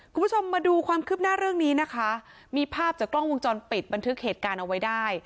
คุณผู้ชมมาดูความคืบหน้าเรื่องนี้นะคะมีภาพจากกล้องวงจรปิดบันทึกเหตุการณ์เอาไว้ได้